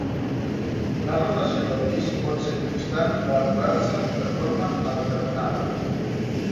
La rotació del disc pot ser constant o aturar-se de forma alternada.